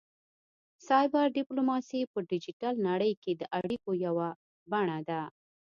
سایبر ډیپلوماسي په ډیجیټل نړۍ کې د اړیکو یوه بڼه ده